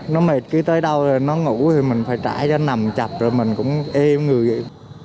nó mệt cứ tới đâu nó ngủ thì mình phải trả cho nằm chập rồi mình cũng êm người vậy